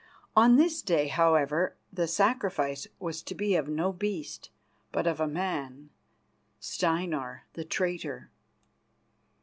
On this day, however, the sacrifice was to be of no beast, but of a man Steinar the traitor.